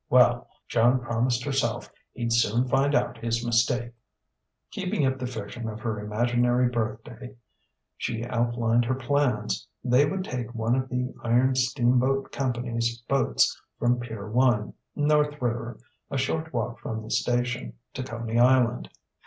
Well, Joan promised herself, he'd soon find out his mistake!... Keeping up the fiction of her imaginary birthday, she outlined her plans: they would take one of the Iron Steamboat Company's boats from Pier 1, North River a short walk from the station to Coney Island.